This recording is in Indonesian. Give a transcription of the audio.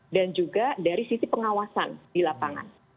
dan juga dari sisi pengawasan di lapangan